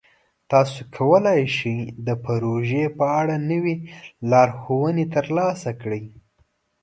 تاسو کولی شئ د پروژې په اړه نوې لارښوونې ترلاسه کړئ.